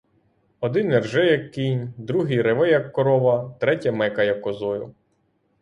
Один ірже як кінь, другий реве як корова, третє мекає козою.